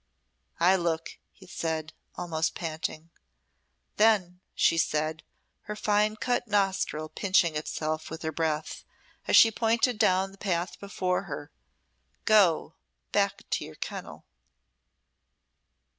"I look," he said, almost panting. "Then," she said, her fine cut nostril pinching itself with her breath, as she pointed down the path before her "go! back to your kennel!"